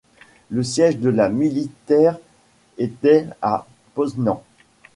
Le siège de la militaire était à Poznań.